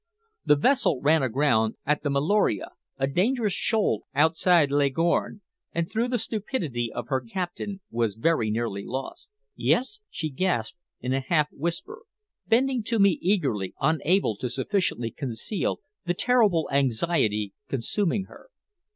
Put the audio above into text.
"The vessel ran aground at the Meloria, a dangerous shoal outside Leghorn, and through the stupidity of her captain was very nearly lost." "Yes?" she gasped, in a half whisper, bending to me eagerly, unable to sufficiently conceal the terrible anxiety consuming her.